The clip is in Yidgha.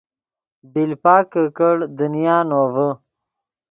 بیلپک کہ کڑ دنیا نوڤے